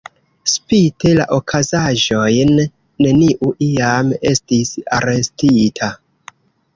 Spite la okazaĵojn, neniu iam estis arestita.